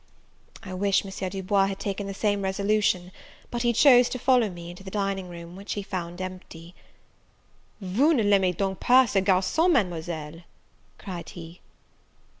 I wish M. Du Bois had taken the same resolution; but he chose to follow me into the dining room, which he found empty. "Vous ne l'aimez donc pas, ce garcon, Mademoiselle!" cried he.